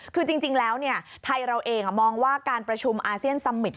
คือจริงแล้วไทยเราเองมองว่าการประชุมอาเซียนสมิตร